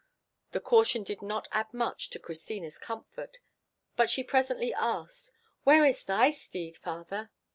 The caution did not add much to Christina's comfort; but she presently asked, "Where is thy steed, father?"